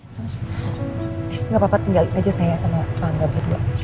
sos gak apa apa tinggalin aja saya sama panggab berdua